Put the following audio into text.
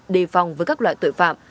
đề phòng với các loại tội phạm